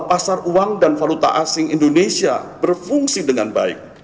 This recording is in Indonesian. pasar uang dan valuta asing indonesia berfungsi dengan baik